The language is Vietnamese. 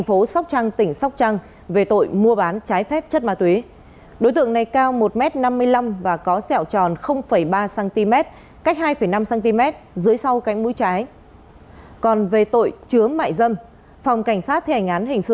hãy đăng ký kênh để ủng hộ kênh của chúng mình nhé